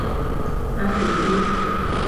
阿比伊。